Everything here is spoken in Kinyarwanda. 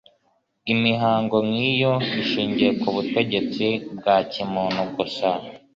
Imihango nk'iyo ishingiye ku butegetsi bwa kimuntu gusa